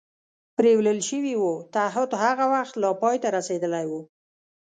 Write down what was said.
پرېولل شوي و، تعهد هغه وخت لا پای ته رسېدلی و.